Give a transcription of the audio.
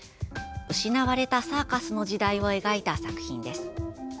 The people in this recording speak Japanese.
失われたサーカスの時代を描いた作品です。